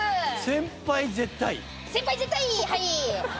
先輩絶対？